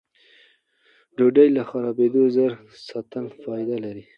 ډوډۍ له خرابېدو ژر ساتل فایده لري.